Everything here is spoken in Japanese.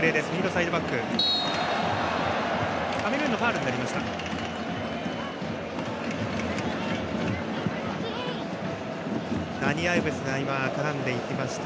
カメルーンのファウルになりました。